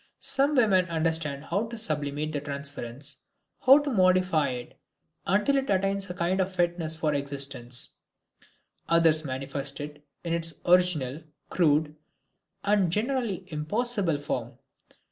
Some women understand how to sublimate the transference, how to modify it until it attains a kind of fitness for existence; others manifest it in its original, crude and generally impossible form.